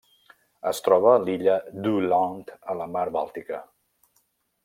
Es troba a l'illa d'Öland a la Mar Bàltica.